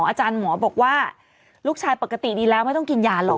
อาจารย์หมอบอกว่าลูกชายปกติดีแล้วไม่ต้องกินยาหรอก